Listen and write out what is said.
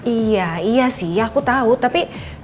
iya iya sih aku tahu tapi